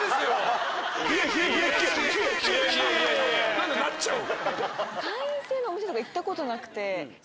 何でなっちゃう？